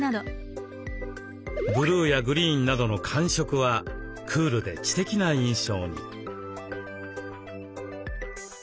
ブルーやグリーンなどの寒色はクールで知的な印象に。